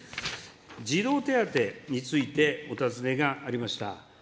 児童手当について、お尋ねがありました。